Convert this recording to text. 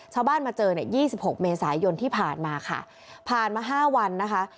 ชาวบ้านมาเจอเนี่ยยี่สิบหกเมษายนที่ผ่านมาค่ะผ่านมาห้าวันนะคะ